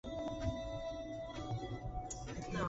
Sin embargo, las galas no consiguieron la audiencia esperada.